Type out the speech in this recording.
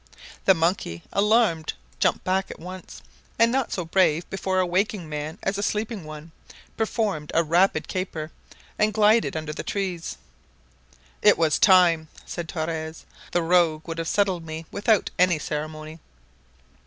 The monkey, alarmed, jumped back at once, and not so brave before a waking man as a sleeping one, performed a rapid caper, and glided under the trees. "It was time!" said Torres; "the rogue would have settled me without any ceremony!"